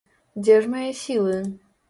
Дзе ж мае сілы!